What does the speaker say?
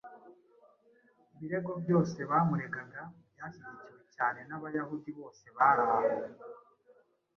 Ibirego byose bamuregaga byashyigikiwe cyane n’Abayahudi bose bari aho;